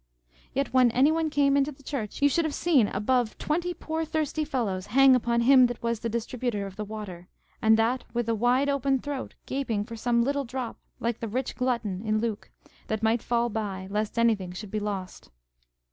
Yet when anyone came into the church, you should have seen above twenty poor thirsty fellows hang upon him that was the distributor of the water, and that with a wide open throat, gaping for some little drop, like the rich glutton in Luke, that might fall by, lest anything should be lost.